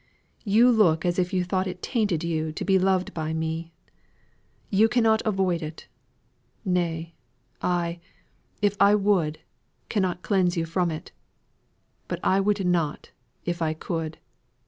You look as if you thought it tainted you to be loved by me. You cannot avoid it. Nay, I, if I would, cannot cleanse you from it. But I would not if I could.